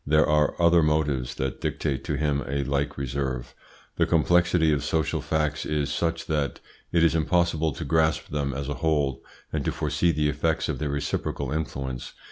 There are other motives that dictate to him a like reserve. The complexity of social facts is such, that it is impossible to grasp them as a whole and to foresee the effects of their reciprocal influence.